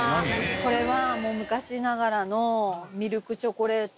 これはもう昔ながらのミルクチョコレート。